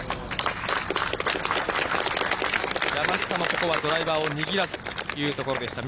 山下もここはドライバーを握らすというところでした。